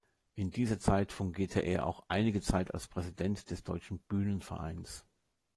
In dieser Zeit fungierte er auch einige Zeit als Präsident des deutschen Bühnenvereins.